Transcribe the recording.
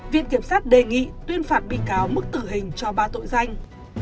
viện kiểm sát đề nghị tuyên phạt bị cáo mức tử hình cho ba tội danh